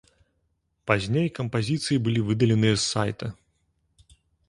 Пазней кампазіцыі былі выдаленыя з сайта.